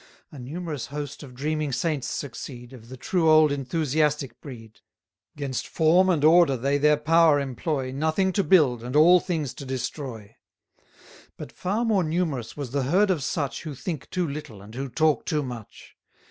A numerous host of dreaming saints succeed, Of the true old enthusiastic breed: 530 'Gainst form and order they their power employ, Nothing to build, and all things to destroy. But far more numerous was the herd of such, Who think too little, and who talk too much.